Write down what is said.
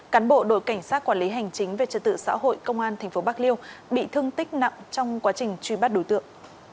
cán bộ đội cảnh sát quản lý hành chính về trật tự xã hội công an tp bạc liêu bị thương tích nặng trong quá trình truy bắt đối tượng